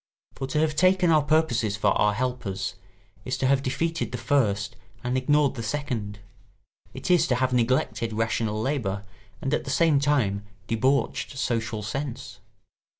For to have taken our purposes for our helpers is to have defeated the first and ignored the second; it is to have neglected rational labour and at the same time debauched social sense.